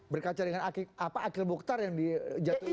berkacar dengan akil bukhtar yang dijatuhin